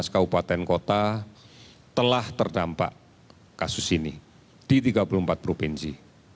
tujuh belas kabupaten kota telah terdampak kasus ini di tiga puluh empat provinsi